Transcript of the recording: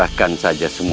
aku akan menolongmu